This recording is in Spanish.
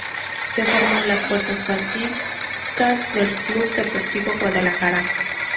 Se formó en las fuerzas básicas del Club Deportivo Guadalajara.